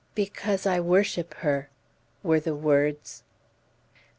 "Because I worship her!" were the words.